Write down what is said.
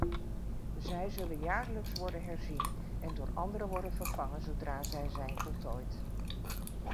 Zij zullen jaarlijks worden herzien en door andere worden vervangen zodra zij zijn voltooid.